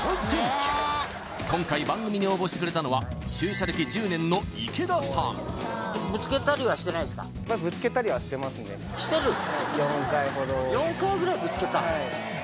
今回番組に応募してくれたのは駐車歴１０年の池田さん４回ぐらいぶつけた？